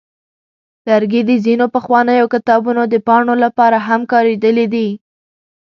لرګي د ځینو پخوانیو کتابونو د پاڼو لپاره هم کارېدلي دي.